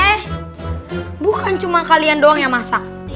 eh bukan cuma kalian doang yang masak